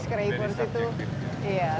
ya makanya itu very subjektif